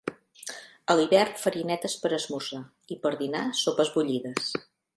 A l'hivern farinetes per esmorzar i per dinar sopes bullides.